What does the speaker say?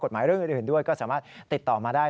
เรื่องอื่นด้วยก็สามารถติดต่อมาได้